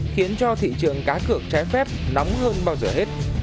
khiến cho thị trường cá cược trái phép nóng hơn bao giờ hết